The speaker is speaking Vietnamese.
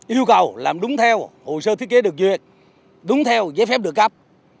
yêu cầu làm đúng theo hồ sơ thiết kế được duyệt đúng theo giấy phép được cấp